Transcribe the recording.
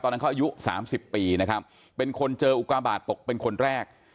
ตอนนั้นเขาอายุสามสิบปีนะครับเป็นคนเจออุกาบาทตกเป็นคนแรก